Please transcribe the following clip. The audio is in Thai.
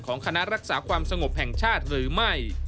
คณะรักษาความสงบแห่งชาติหรือไม่